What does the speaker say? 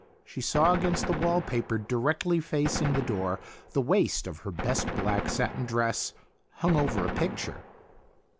She saw against the wall paper directly facing the door the waist of her best black satin dress hung over a picture.